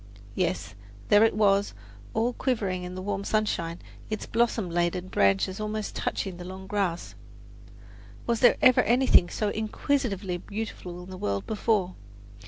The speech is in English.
Yes, there it was, all quivering in the warm sunshine, its blossom laden branches almost touching the long grass. Was there ever anything so exquisitely beautiful in the world before!